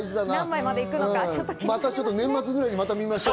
またちょっと年末ぐらいに見ましょう。